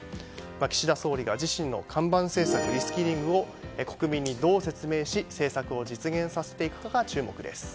岸田総理が自身の看板政策リスキリングを国民にどう説明し政策を実現させていくかが注目です。